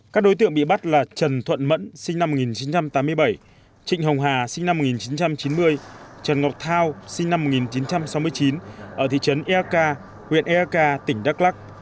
các đối tượng bị bắt là trần thuận mẫn sinh năm một nghìn chín trăm tám mươi bảy trịnh hồng hà sinh năm một nghìn chín trăm chín mươi trần ngọc thao sinh năm một nghìn chín trăm sáu mươi chín ở thị trấn eak huyện eak tỉnh đắk lắc